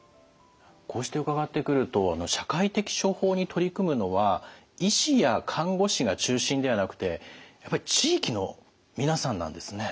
こうして伺ってくると社会的処方に取り組むのは医師や看護師が中心ではなくてやっぱり地域の皆さんなんですね。